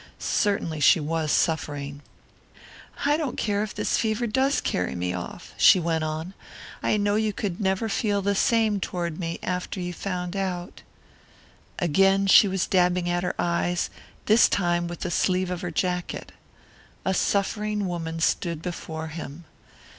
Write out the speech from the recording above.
Certainly she was suffering. "I don't care if this fever does carry me off," she went on. "I know you could never feel the same toward me after you found out " Again she was dabbing at her eyes, this time with the sleeve of her jacket. A suffering woman stood before him.